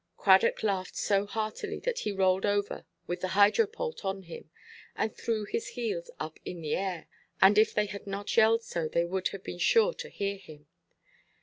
Cradock laughed so heartily, that he rolled over with the hydropult on him, and threw his heels up in the air, and if they had not yelled so, they would have been sure to hear him.